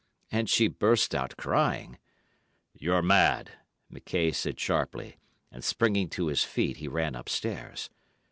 And she burst out crying. "You're mad," McKaye said sharply and, springing to his feet, he ran upstairs.